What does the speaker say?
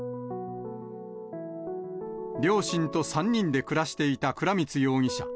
両親と３人で暮らしていた倉光容疑者。